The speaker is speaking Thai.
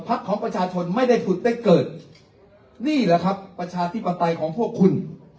ของประชาชนไม่ได้ผุดได้เกิดนี่แหละครับประชาธิปไตยของพวกคุณ